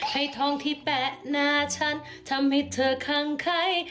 ให้ทองที่แปะหน้าฉันทำให้เธอคังไข้